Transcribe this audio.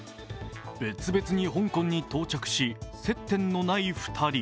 別々に香港に到着し、接点のない２人。